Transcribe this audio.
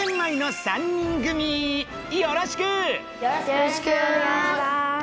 よろしくお願いします。